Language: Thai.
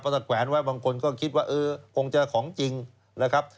ถ้าแขวนไว้บางคนก็คิดว่าเออคงจะของจริงนะครับ